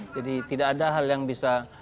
jadi tidak ada hal yang bisa